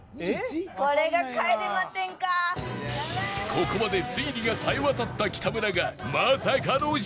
ここまで推理が冴えわたった北村がまさかの失敗